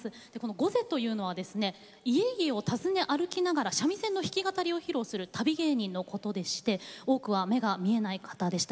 瞽女というのは家々を訪ね歩きながら三味線の弾き語りを披露する旅芸人のことでして多くは目が見えない方でした。